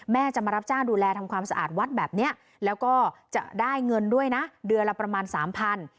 จะมารับจ้างดูแลทำความสะอาดวัดแบบนี้แล้วก็จะได้เงินด้วยนะเดือนละประมาณสามพัน